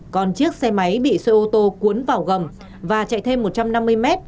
còn chiếc xe máy bị xe ô tô cuốn vào gầm và chạy thêm một trăm năm mươi mét